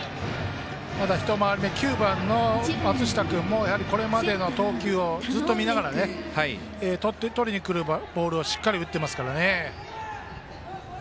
まだ１回り目９番の松下君もこれまでの投球をずっと見ながらとりにくるボールをしっかり打ってますからね。